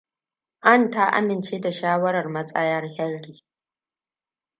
Anne ta amince da shawarar Matsaya Henry.